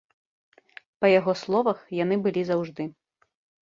Па яго словах, яны былі заўжды.